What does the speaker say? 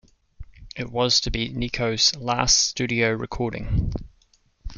It was to be Nico's last studio recording.